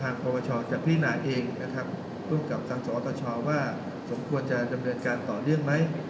ทางประวัติศาสตร์จากพี่นายเองนะครับร่วมกับทางสวทชว่าสมควรจะดำเนินการต่อเรื่องไหม